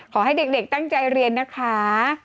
ขอให้เด็กตั้งใจเรียนนะคะ